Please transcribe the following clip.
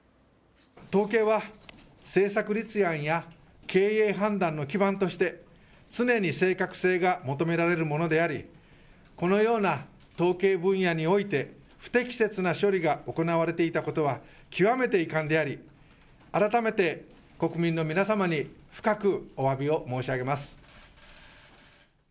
統計は政策立案や経営判断の基盤として常に正確性が求められるものでありこのような統計分野において不適切な処理が行われていたことは極めて遺憾であり改めて国民の皆様に深くおわびを申し上げます。